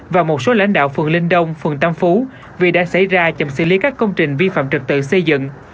và một số lãnh đạo phường linh đông phường tam phú vì đã xảy ra chậm xử lý các công trình vi phạm trật tự xây dựng